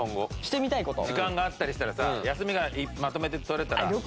時間があったりしたらさ休みがまとめて取れたら。